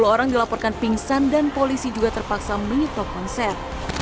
sepuluh orang dilaporkan pingsan dan polisi juga terpaksa menyetop konser